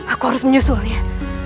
aku harus menyusulnya